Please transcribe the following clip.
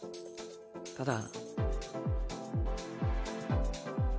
ただ。